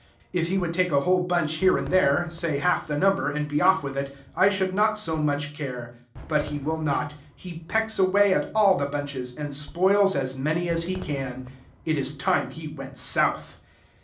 If he would take a whole bunch here and there, say half the number, and be off with it, I should not so much care. But he will not. He pecks away at all the bunches, and spoils as many as he can. It is time he went south.